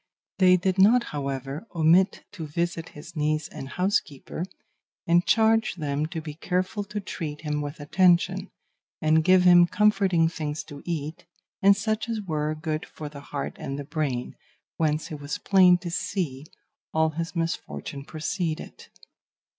They did not, however, omit to visit his niece and housekeeper, and charge them to be careful to treat him with attention, and give him comforting things to eat, and such as were good for the heart and the brain, whence, it was plain to see, all his misfortune proceeded.